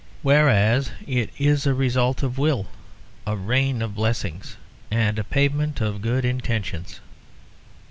Whereas it is a result of will; a rain of blessings and a pavement of good intentions.